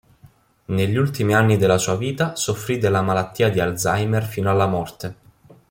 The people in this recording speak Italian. Negli ultimi anni della sua vita soffrì della malattia di Alzheimer fino alla morte.